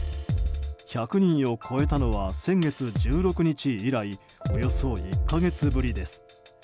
１００人を超えたのは先月１６日以来およそ１か月ぶりです。